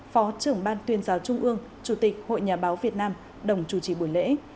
phó trưởng ban tuyên giáo trung ương chủ tịch hội nhà báo việt nam đồng chủ trì buổi lễ